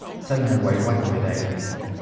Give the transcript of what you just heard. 真係委屈佢哋